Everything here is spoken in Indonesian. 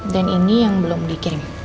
ini yang belum dikirim